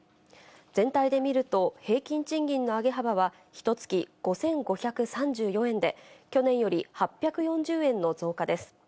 全体で見ると、平均賃金の上げ幅は、ひとつき５５３４円で、去年より８４０円の増加です。